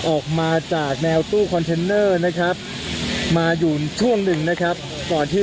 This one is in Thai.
ออกมาจากแนวตู้นะครับมาอยู่ช่วงหนึ่งนะครับก่อนที่